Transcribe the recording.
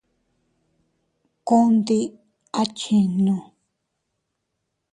Ku ndi a chinnu.